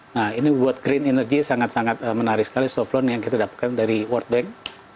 nah ini buat green energy sangat sangat menarik sekali soft lone yang kita dapatkan dari world bank